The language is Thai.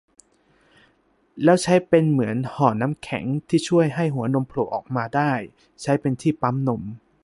แล้วใช้เป็นเหมือนห่อน้ำแข็งที่ช่วยให้หัวนมโผล่ออกมาได้ ใช้ที่ปั๊มนม